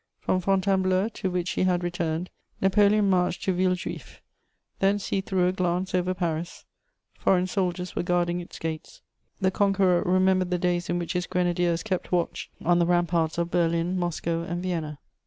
From Fontainebleau, to which he had returned, Napoleon marched to Villejuif; thence he threw a glance over Paris: foreign soldiers were guarding its gates; the conqueror remembered the days in which his grenadiers kept watch on the ramparts of Berlin, Moscow, and Vienna.